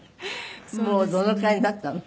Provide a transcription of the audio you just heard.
もうどのくらいになったの？